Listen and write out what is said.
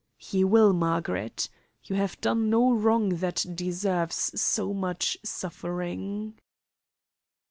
"He will, Margaret. You have done no wrong that deserves so much suffering."